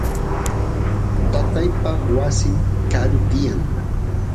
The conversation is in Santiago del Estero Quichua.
tataypa wasin karu tiyan